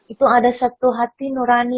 itu ada satu hati nurani